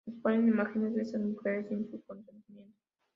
exponer imágenes de estas mujeres sin su consentimiento